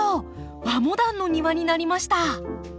和モダンの庭になりました。